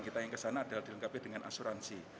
dan kita yang ke sana adalah dilengkapi dengan asuransi